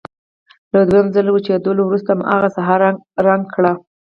له دویم ځل وچېدلو وروسته هماغه ساحه رنګ کړئ.